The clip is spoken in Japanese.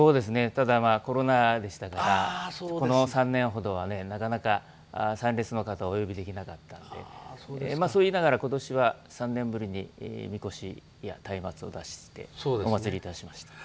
ただコロナでしたからこの３年ほどは、なかなか参列の方はお呼びできなかったんでそう言いながら今年は３年ぶりにみこしやたいまつを出して、お祭りいたしました。